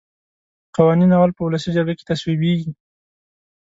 قوانین اول په ولسي جرګه کې تصویبیږي.